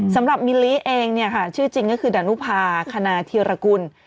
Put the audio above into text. สำหรับมิลลิเองเนี่ยค่ะชื่อจริงก็คือดานุภาคณาธีรกุล